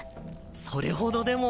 それほどでも。